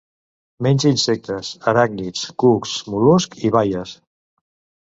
Menja insectes, aràcnids, cucs, mol·luscs i baies.